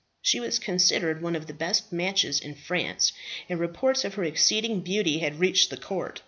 She was considered one of the best matches in France, and reports of her exceeding beauty had reached the court.